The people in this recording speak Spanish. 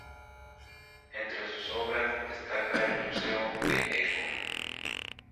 Entre sus obras destaca el Museo El Eco.